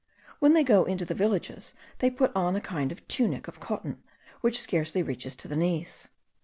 When they go into the villages they put on a kind of tunic of cotton, which scarcely reaches to the knees.